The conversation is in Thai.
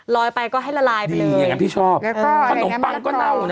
ลอยไปก็ให้ละลายไปเลยอย่างนั้นพี่ชอบขนมปังก็เน่านะ